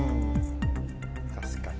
確かに。